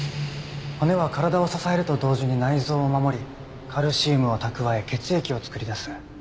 骨は体を支えると同時に内臓を守りカルシウムを蓄え血液を作り出す。